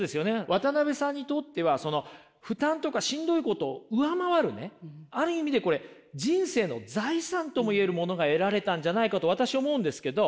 渡辺さんにとってはその負担とかしんどいことを上回るねある意味でこれ人生の財産とも言えるものが得られたんじゃないかと私思うんですけど。